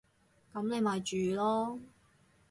噉你咪住囉